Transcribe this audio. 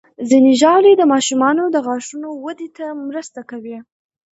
ځینې ژاولې د ماشومانو د غاښونو وده ته مرسته کوي.